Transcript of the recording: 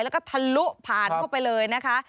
แล้วก็ทะลุผ่านเข้าไปเลยนะคะ